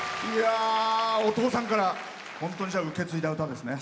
お父さんから本当に受け継いだ歌ですね。